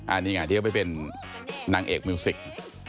อันนี้ไงที่เขาไปเป็นนางเอกมิวสิก